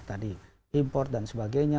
tadi import dan sebagainya